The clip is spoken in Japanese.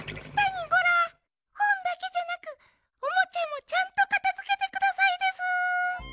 ピタにゴラほんだけじゃなくおもちゃもちゃんとかたづけてくださいでスー。